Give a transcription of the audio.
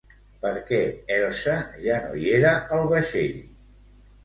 Per què Elsa ja no hi era al vaixell?